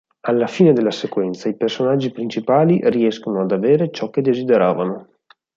Alla fine della sequenza i personaggi principali riescono ad avere ciò che desideravano.